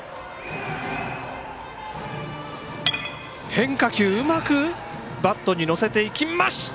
変化球、うまくバットに乗せていきました。